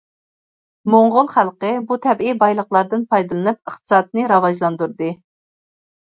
موڭغۇل خەلقى بۇ تەبىئىي بايلىقلاردىن پايدىلىنىپ ئىقتىسادنى راۋاجلاندۇردى.